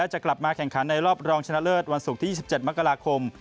จะกลับมาแข่งขันในรอบรองชนะเลิศวันศุกร์ที่๒๗มกราคม